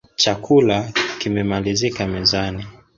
Chakula kimemalizika mezani